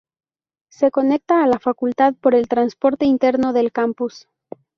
Se conecta a la Facultad por el transporte interno del campus.